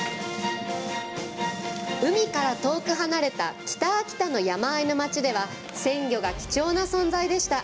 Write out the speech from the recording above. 海から遠く離れた北秋田の山あいの町では鮮魚が貴重な存在でした。